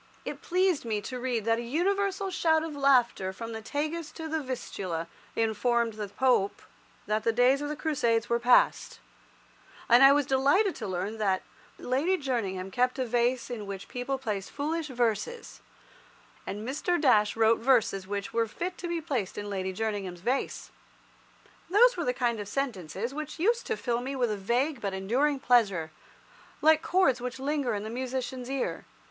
It pleased me to read that "a universal shout of laughter from the Tagus to the Vistula informed the Pope that the days of the crusades were past," and I was delighted to learn that "Lady Jerningham kept a vase in which people placed foolish verses, and Mr. Dash wrote verses which were fit to be placed in Lady Jerningham's vase." Those were the kind of sentences which used to fill me with a vague but enduring pleasure, like chords which linger in the musician's ear.